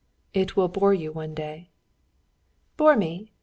"It will bore you one day." "Bore me!